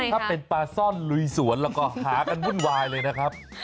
ถ้าเป็นปลาซ่อนลุยสวนแล้วก็หากันวุ่นวายเลยนะครับ